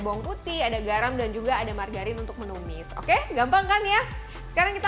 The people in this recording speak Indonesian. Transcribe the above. bawang putih ada garam dan juga ada margarin untuk menumis oke gampang kan ya sekarang kita